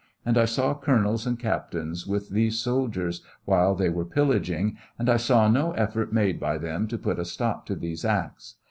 ; and I saw colonels and captains with these soldiers while they were pillaging; and I saw no eifort made by them to put a stop to these acts.